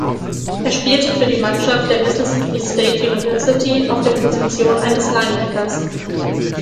Er spielte für die Mannschaft der Mississippi State University auf der Position eines Linebackers.